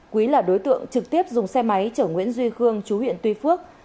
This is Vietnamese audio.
quý là đối tượng trực tiếp dùng xe máy chở nguyễn duy khương chú huyện tuy phước